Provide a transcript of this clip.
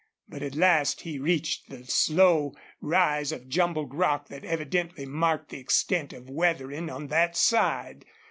But at last he reached the slow rise of jumbled rock that evidently marked the extent of weathering on that side.